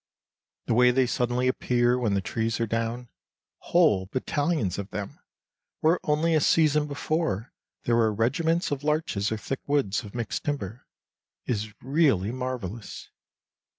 The way they suddenly appear when the trees are down—whole battalions of them—where only a season before there were regiments of larches, or thick woods of mixed timber, is really marvellous.